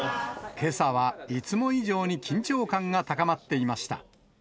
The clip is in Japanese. けさはいつも以上に緊張感が高まっていました。